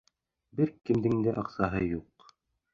Бер кемдең дә аҡсаһы юҡ.